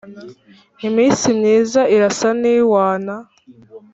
iminsi myiza irasa ntiwana